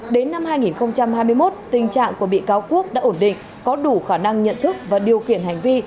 đến năm hai nghìn hai mươi một tình trạng của bị cáo quốc đã ổn định có đủ khả năng nhận thức và điều khiển hành vi